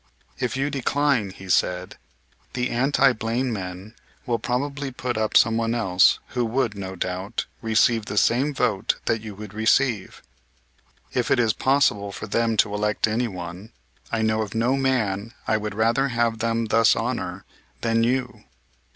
"If you decline," he said, "the anti Blaine men will probably put up someone else who would, no doubt, receive the same vote that you would receive. If it is possible for them to elect anyone, I know of no man I would rather have them thus honor than you.